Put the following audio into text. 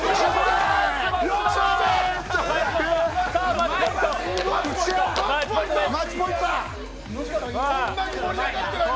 マッチポイントです。